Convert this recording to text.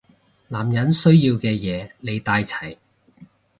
男人需要嘅嘢你帶齊